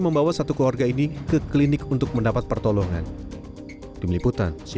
membawa satu keluarga ini ke klinik untuk mendapat pertolongan di meliputan